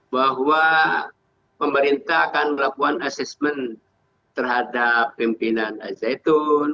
bahwa pemerintah akan melakukan asesmen terhadap pimpinan al zaitun